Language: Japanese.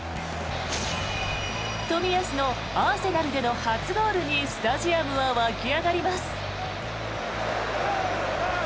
冨安のアーセナルでの初ゴールにスタジアムは湧き上がります。